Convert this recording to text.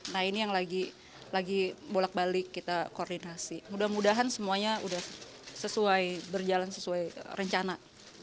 nah ini yang lagi bolak balik kita koordinasi mudah mudahan semuanya udah sesuai berjalan sesuai rencana